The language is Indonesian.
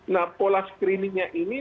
nah pola screeningnya ini